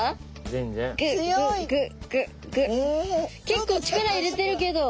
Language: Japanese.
結構力入れてるけど。